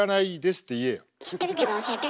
知ってるけど教えて。